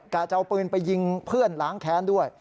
จะเอาปืนไปยิงเพื่อนล้างแค้นด้วย